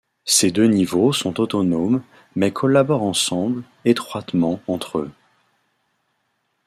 Ces deux niveaux sont autonomes mais collaborent ensemble.étroitement entre eux.